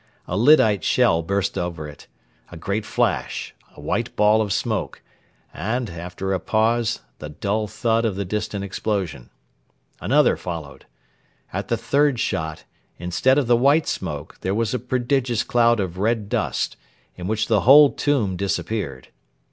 A lyddite shell burst over it a great flash, a white ball of smoke, and, after a pause, the dull thud of the distant explosion. Another followed. At the third shot, instead of the white smoke, there was a prodigious cloud of red dust, in which the whole tomb disappeared.